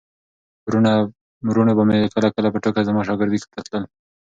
وروڼو به مې کله کله په ټوکه زما شاګردۍ ته کتل.